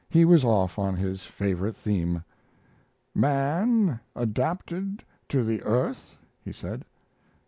He was off on his favorite theme. "Man adapted to the earth?" he said.